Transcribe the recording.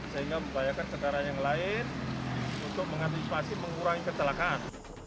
sehingga membahayakan setara yang lain untuk mengantisipasi mengurangi ketelakaan